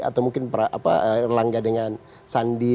atau mungkin erlangga dengan sandi